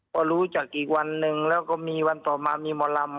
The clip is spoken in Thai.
ก็รู้จักอีกวันหนึ่งแล้วก็มีวันต่อมามีหมอลำ